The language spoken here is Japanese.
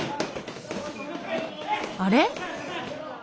あれ？